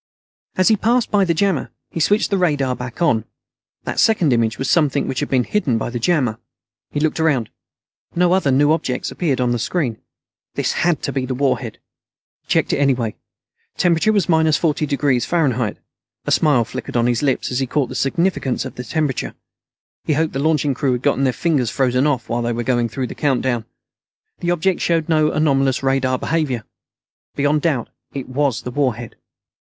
As he passed by the jammer, he switched the radar back on. That second image was something which had been hidden by the jammer. He looked around. No other new objects appeared on the screen. This had to be the warhead. He checked it anyway. Temperature was minus 40° F. A smile flickered on his lips as he caught the significance of the temperature. He hoped the launching crew had gotten their fingers frozen off while they were going through the countdown. The object showed no anomalous radar behavior. Beyond doubt, it was the warhead.